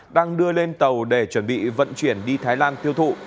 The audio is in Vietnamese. đang đưa lên tàu để chuẩn bị vận chuyển đi thái lan tiêu thụ